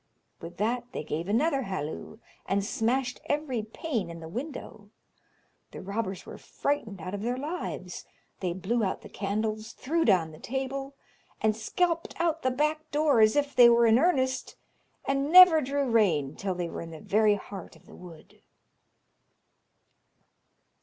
With that they gave another halloo, and smashed every pane in the window. The robbers were frightened out of their lives. They blew out the candles, threw down the table, and skelped out at the back door as if they were in earnest, and never drew rein till they were in the very heart of the wood.